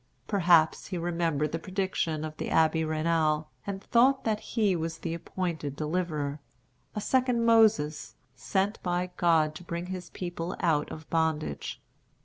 Perhaps he remembered the prediction of the Abbé Raynal, and thought that he was the appointed deliverer, a second Moses, sent by God to bring his people out of bondage.